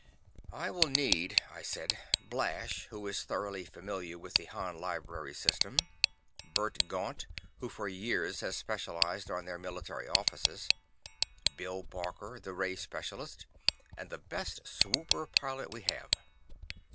"I will need," I said, "Blash, who is thoroughly familiar with the Han library system; Bert Gaunt, who for years has specialized on their military offices; Bill Barker, the ray specialist, and the best swooper pilot we have."